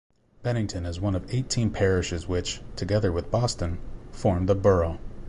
Benington is one of eighteen parishes which, together with Boston, form the borough.